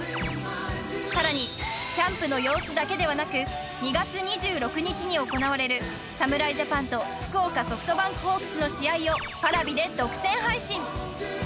更にキャンプの様子だけではなく２月２６日に行われる侍ジャパンと福岡ソフトバンクホークスの試合をＰａｒａｖｉで独占配信！